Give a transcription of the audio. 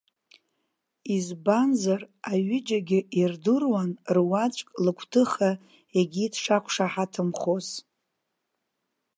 Избанзар, аҩыџьагьы ирдыруан руаӡәк лыгәҭыха егьи дшақәшаҳаҭымхоз.